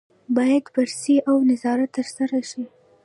باید بررسي او نظارت ترسره شي.